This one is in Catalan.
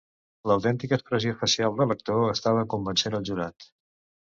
L'autèntica expressió facial de l'actor estava convencent el jurat.